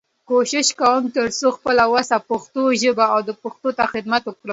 کوشش کوم چې تر خپل وسه پښتو ژبې او پښتنو ته خدمت وکړم.